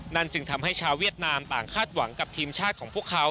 จึงทำให้ชาวเวียดนามต่างคาดหวังกับทีมชาติของพวกเขา